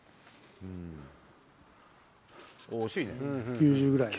９０ぐらい。